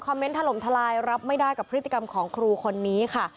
เมนต์ถล่มทลายรับไม่ได้กับพฤติกรรมของครูคนนี้ค่ะ